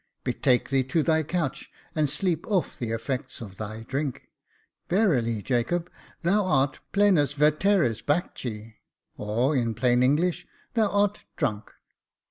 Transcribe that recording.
Betake thee to thy couch, and sleep off the effects of thy drink. Verily, Jacob, thou art plenus Veteris Bacchi ; or, in plain English, thou art drunk.